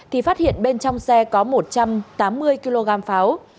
thì phát hiện bên trong xe có một trăm tám mươi kg pháo